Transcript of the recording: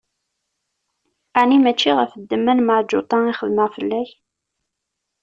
Ɛni mačči ɣef ddemma n Meɛǧuṭa i xedmeɣ fell-ak?